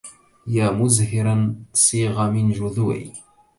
يا مزهرا صيغ من جذوع